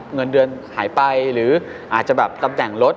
เงินเดือนหายไปหรืออาจจะแบบตำแหน่งลด